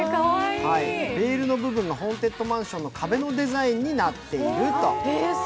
ベールの部分がホーンテッドマンションの壁のデザインになっていると。